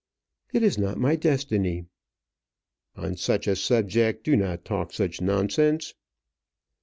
"It is not my destiny." "On such a subject, do not talk such nonsense."